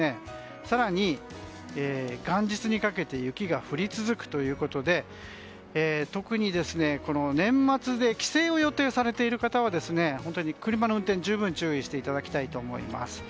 更に、元日にかけて雪が降り続くということで特に年末で帰省を予定されている方は本当に車の運転に十分注意していただきたいと思います。